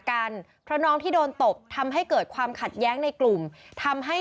กันเพราะน้องที่โดนตบทำให้เกิดความขัดแย้งในกลุ่มทำให้